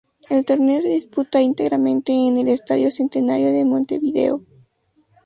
El torneo se disputa íntegramente en el Estadio Centenario de Montevideo.